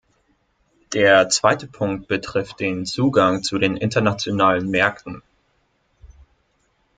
Der zweite Punkt betrifft den Zugang zu den internationalen Märkten.